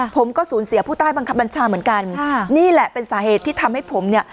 ผมก็สูญเสียผู้ใต้บังคับบัญชาเหมือนกันค่ะนี่แหละเป็นสาเหตุที่ทำให้ผมเนี่ย